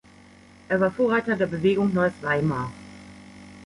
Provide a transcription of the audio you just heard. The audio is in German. Er war Vorreiter der Bewegung Neues Weimar.